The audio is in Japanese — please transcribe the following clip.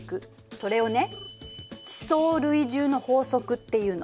それをね「地層累重の法則」っていうの。